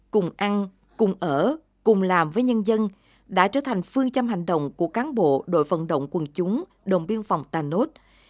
cùng ăn cùng ở cùng làm với nhân dân đã trở thành phương châm hành động của cán bộ đội vận động quân chúng đồng biên phòng tà nốt